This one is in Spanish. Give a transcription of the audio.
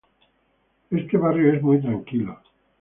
Este barrio es muy tranquilo